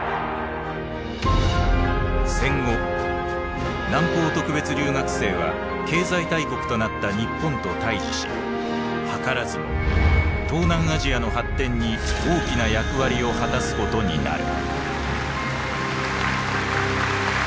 戦後南方特別留学生は経済大国となった日本と対峙し図らずも東南アジアの発展に大きな役割を果たすことになる。